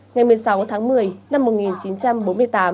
ngày một mươi sáu tháng một mươi năm một nghìn chín trăm bốn mươi tám